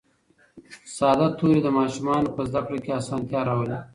ساده توري د ماشومانو په زده کړه کې اسانتیا راولي